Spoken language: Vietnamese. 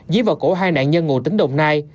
dí vào cổ hai nạn nhân ngồi tỉnh đồng nai